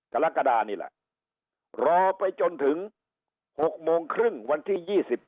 กรกฎานี่แหละรอไปจนถึง๖โมงครึ่งวันที่๒๗